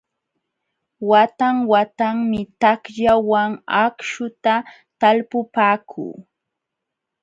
Watan watanmi takllawan akśhuta talpupaakuu.